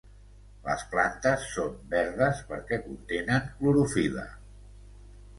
Les plantes són verdes perquè contenen clorofil·la.